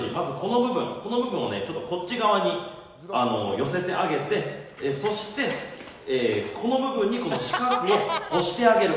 この部分をこっち側に寄せてあげて、この部分に四角を干してあげる。